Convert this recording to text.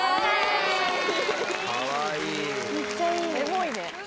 エモいね。